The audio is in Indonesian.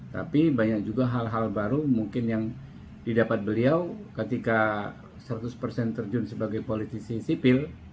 tapi banyak juga hal hal baru mungkin yang didapat beliau ketika seratus persen terjun sebagai politisi sipil